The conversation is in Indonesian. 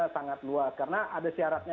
sangat luas karena ada syaratnya